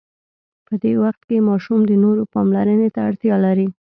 په دې وخت کې ماشوم د نورو پاملرنې ته اړتیا لري.